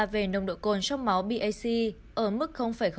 về nồng độ cồn trong máu bac ở mức